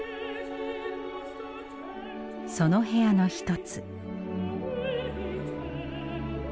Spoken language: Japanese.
その部屋の一つ。